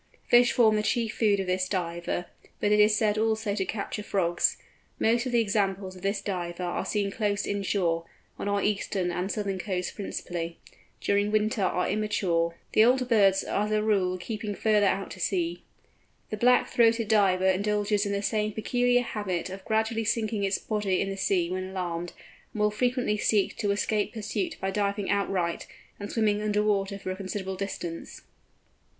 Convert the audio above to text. Fish form the chief food of this Diver, but it is said also to capture frogs. Most of the examples of this Diver that are seen close in shore (on our eastern and southern coasts principally) during winter are immature, the older birds as a rule keeping further out to sea. The Black throated Diver indulges in the same peculiar habit of gradually sinking its body in the sea when alarmed, and will frequently seek to escape pursuit by diving outright, and swimming under water for a considerable distance.